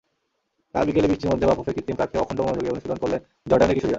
কাল বিকেলে বৃষ্টির মধ্যে বাফুফের কৃত্রিম টার্ফে অখণ্ড মনোযোগে অনুশীলন করলেন জর্ডানের কিশোরীরা।